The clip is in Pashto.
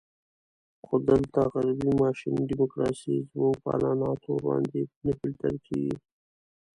خو دلته غربي ماشیني ډیموکراسي زموږ په عنعناتو باندې نه فلتر کېږي.